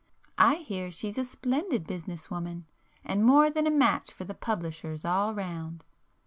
I hear she's a splendid business woman, and more than a match for the publishers all round."